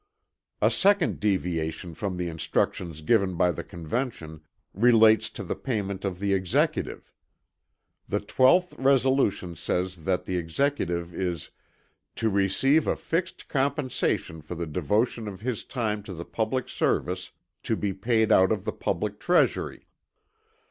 A second deviation from the instructions given by the Convention relates to the payment of the Executive. The 12th resolution says that the Executive is "to receive a fixed compensation for the devotion of his time to the public service to be paid out of the public treasury."